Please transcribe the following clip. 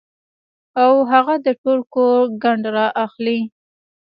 او هغه د ټول کور ګند را اخلي